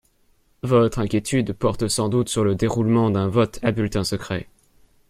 Votre inquiétude porte sans doute sur le déroulement d’un vote à bulletin secret.